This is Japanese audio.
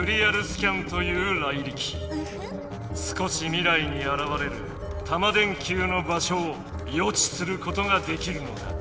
少し未来にあらわれるタマ電Ｑの場所を予知することができるのだ。